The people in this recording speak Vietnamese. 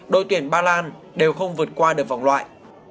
đội tuyển ba lan đều không vượt qua được vòng loại